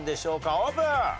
オープン！